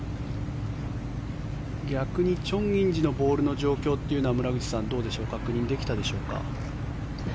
逆にチョン・インジのボールの状況というのは村口さんどうでしょうか確認できたでしょうか。